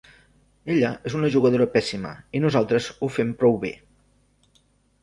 Ella és una jugadora pèssima, i nosaltres ho fem prou bé.